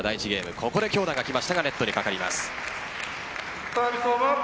ここで強打が来ましたがネットにかかります。